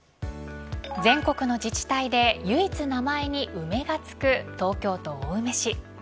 全国の自治体で唯一名前に梅がつく東京都青梅市。